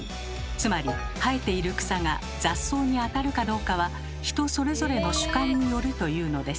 つまり生えている草が雑草にあたるかどうかは人それぞれの主観によるというのです。